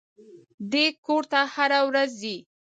دى کور ته هره ورځ ځي.